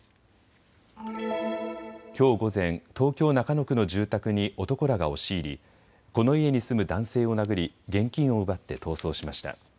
きょう午前、東京中野区の住宅に男らが押し入り、この家に住む男性を殴り現金を奪って逃走しました。